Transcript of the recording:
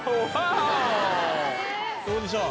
どうでしょう？